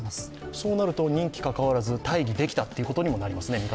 そうなると、任期にかかわらず大義ができたということになりますね。